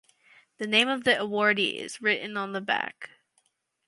The name of the awardee is written on the back.